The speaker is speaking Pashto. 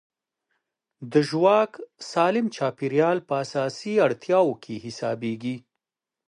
د ژواک سالم چاپېریال په اساسي اړتیاوو کې حسابېږي.